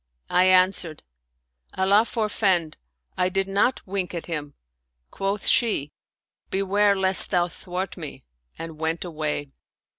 " I answered, " Allah forfend ! I did not wink at him." Quoth she, " Beware lest thou thwart me "; and went away.